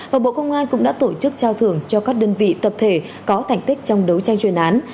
và bộ công an cũng đã tổ chức trao thưởng cho các đơn vị tập thể có thành tích trong đấu tranh chuyên án